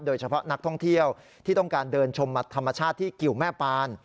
โดยเฉพาะนักท่องเที่ยวที่ต้องการเดินชมธรรมชาติที่กิวแม่ปาน